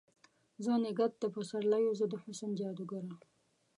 زه نګهت د پسر لیو، زه د حسن جادوګره